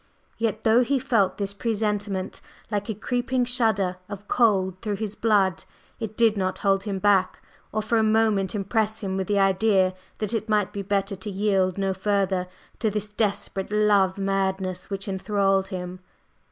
Yet, though he felt this presentiment like a creeping shudder of cold through his blood, it did not hold him back, or for a moment impress him with the idea that it might be better to yield no further to this desperate love madness which enthralled him.